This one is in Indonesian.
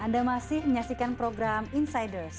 anda masih menyaksikan program insiders